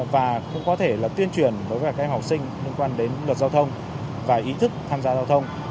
và cũng có thể tiên truyền với các em học sinh liên quan đến luật giao thông và ý thức tham gia giao thông